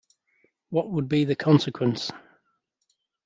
What would be the consequence?